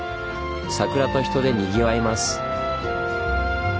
桜と人でにぎわいます。